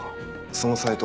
そのサイト